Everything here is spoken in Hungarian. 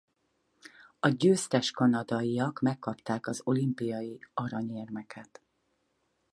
A győztes kanadaiak megkapták az olimpiai aranyérmeket.